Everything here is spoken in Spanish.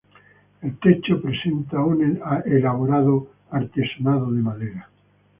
El techo presenta un elaborado artesonado de madera.